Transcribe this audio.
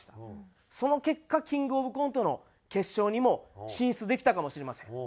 その結果キングオブコントの決勝にも進出できたかもしれません。